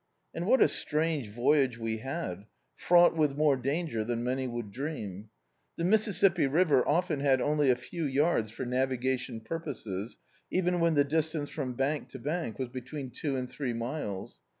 And what a strange voyage we had, fraught with more danger than many would dream. This Mississippi river often had only a few yards for navigation purposes, even when the distance from bank to bank was between two and three miles.